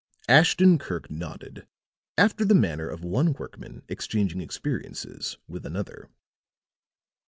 Ashton Kirk nodded, after the manner of one workman exchanging experiences with another.